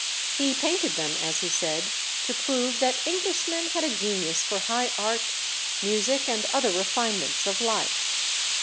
He painted them, as he said, to prove that Englishmen had a genius for high art, music, and other refinements of life.